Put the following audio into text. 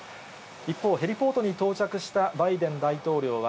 一方、ヘリポートに到着したバイデン大統領は、